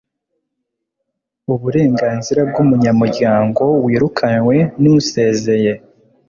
uburenganzira bw'umunyamuryango wirukanwe n'usezeye